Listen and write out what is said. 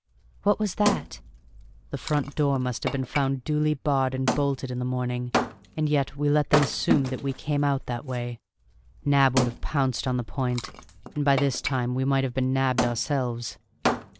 "What was that?" "The front door must have been found duly barred and bolted in the morning, and yet we let them assume that we came out that way. Nab would have pounced on the point, and by this time we might have been nabbed ourselves."